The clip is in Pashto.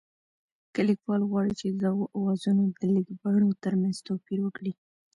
که لیکوال غواړي چې د دغو آوازونو د لیکبڼو ترمنځ توپیر وکړي